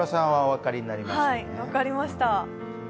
分かりました。